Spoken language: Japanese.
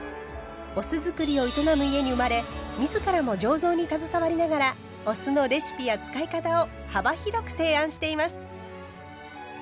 お酢造りを営む家に生まれ自らも醸造に携わりながらお酢のレシピや使い方を幅広く提案しています。